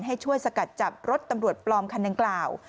ให้ช่วยสกัดจับรถตำรวจปลอมคันดังกล่าว